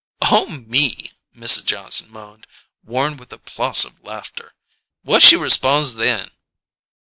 "Oh, me!" Mrs. Johnson moaned, worn with applausive laughter. "What she respon' then?"